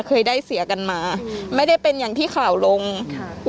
เคยได้เสียกันมาไม่ได้เป็นอย่างที่ข่าวลงค่ะ